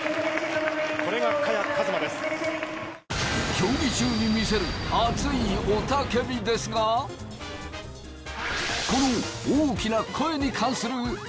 競技中に見せる熱い雄叫びですがこの大きな声に関するあるスクープが！